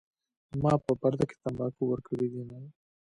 ما په پرده کې تمباکو ورکړي دینه